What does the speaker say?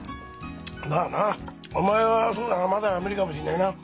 まあなお前はそうだなまだ無理かもしれねえな。